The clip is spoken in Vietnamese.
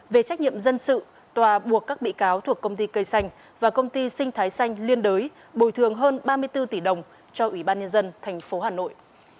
về trách nhiệm dân sự tòa buộc các bị cáo thuộc công ty cây xanh và công ty sinh thái xanh liên đới bồi thường hơn ba mươi bốn tỷ đồng cho ủy ban nhân dân tp hà nội